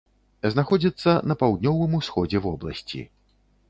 Знаходзіцца на паўднёвым усходзе вобласці.